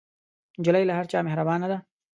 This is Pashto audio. نجلۍ له هر چا مهربانه ده.